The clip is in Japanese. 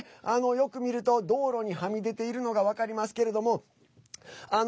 よく見ると、道路にはみ出ているのが分かりますけれども。